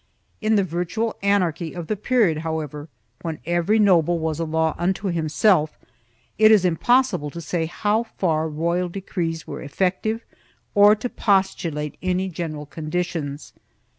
3 In the virtual anarchy of the period, however, when every noble was a law unto himself, it is impossible to say how far royal decrees were effective, or to postulate any general conditions.